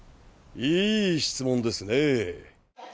いい質問ですねぇ。